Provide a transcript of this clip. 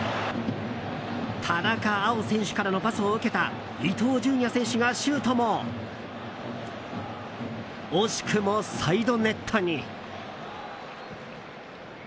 田中碧選手からのパスを受けた伊東純也選手がシュートも惜しくもサイドネットに。